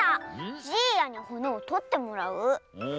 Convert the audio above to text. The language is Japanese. じいやにほねをとってもらう？